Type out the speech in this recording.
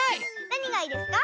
なにがいいですか？